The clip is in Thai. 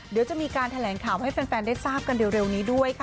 เดี๋ยวจะมีการแถลงข่าวให้แฟนได้ทราบกันเร็วนี้ด้วยค่ะ